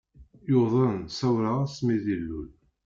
Yuḍen sawraɣ ass mi d-ilul.